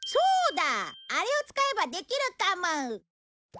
あれを使えばできるかも！